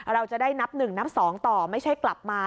เราจะได้นับหนึ่งนับสองต่อไม่ใช่กลับมา